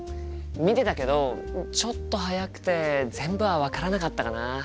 見てたけどちょっと速くて全部は分からなかったかな。